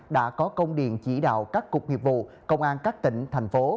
đã có công điện chỉ đạo các cục nghiệp vụ công an các tỉnh thành phố